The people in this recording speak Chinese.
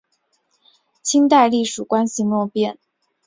清代隶属关系未变。